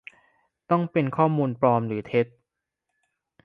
- ต้องเป็นข้อมูลปลอมหรือเท็จ